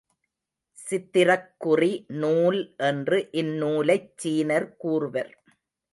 சித்திரக்குறி நூல் என்று இந்நூலைச் சீனர் கூறுவர்.